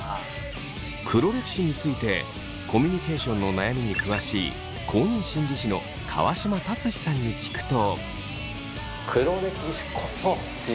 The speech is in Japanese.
黒歴史についてコミュニケーションの悩みに詳しい公認心理師の川島達史さんに聞くと。